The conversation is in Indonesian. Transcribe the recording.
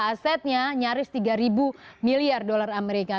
asetnya nyaris tiga ribu miliar dolar amerika